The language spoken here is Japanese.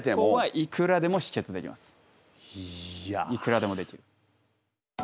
いくらでもできる。